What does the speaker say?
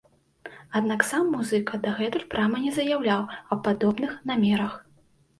Аднак сам музыка дагэтуль прама не заяўляў аб падобных намерах.